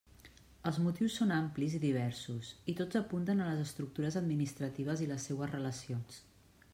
Els motius són amplis i diversos, i tots apunten a les estructures administratives i les seues relacions.